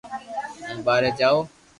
ھون ٻاري جاو